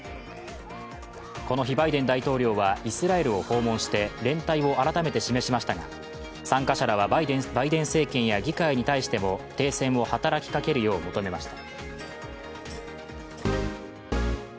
この日、バイデン大統領はイスラエルを訪問して連帯を改めて示しましたが、参加者らはバイデン政権や議会に対しても停戦を働きかけるよう求めました。